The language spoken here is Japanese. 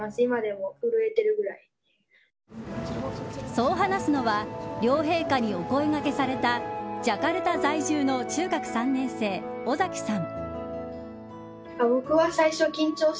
そう話すのは両陛下にお声がけされたジャカルタ在住の中学３年生尾崎さん。